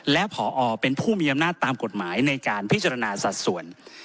และผอเป็นผู้มีอำนาจตามกฎหมายในการพิจารณาสัดส่วน